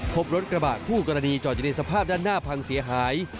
พบรถกระบะคู่กรณีจอดอยู่ในสภาพด้านหน้าพังเสียหาย